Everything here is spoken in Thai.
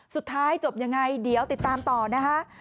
สุดท้ายจบยังไงเดี๋ยวติดตามต่อนะคะ